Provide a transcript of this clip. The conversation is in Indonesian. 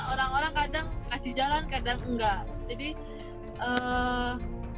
orang orang kadang kasih jalan kadang enggak